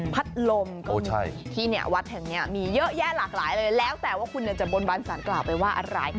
พัดลมคุณที่เนี่ยวัดแห่งนี้มีเยอะแยะหลากหลายเลยแล้วแต่ว่าคุณจะบนบานสารกล่าวไปว่าอะไร